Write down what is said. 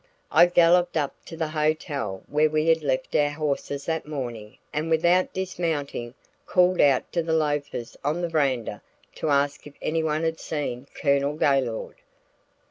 I galloped up to the hotel where we had left our horses that morning and without dismounting called out to the loafers on the veranda to ask if anyone had seen Colonel Gaylord.